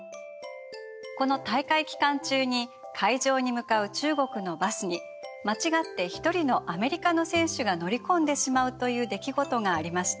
この大会期間中に会場に向かう中国のバスに間違って一人のアメリカの選手が乗り込んでしまうという出来事がありました。